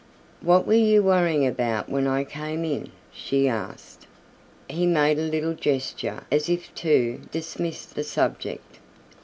"What were you worrying about when I came in?" she asked. He made a little gesture as if to dismiss the subject.